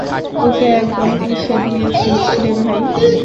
ওকে একদম পিষে দিয়েছিস রে, ভাই!